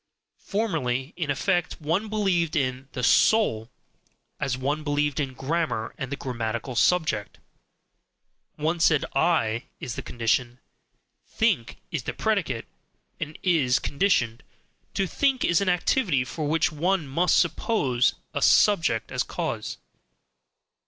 Formerly, in effect, one believed in "the soul" as one believed in grammar and the grammatical subject: one said, "I" is the condition, "think" is the predicate and is conditioned to think is an activity for which one MUST suppose a subject as cause.